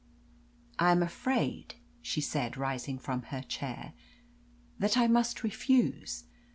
"I am afraid," she said, rising from her chair, "that I must refuse.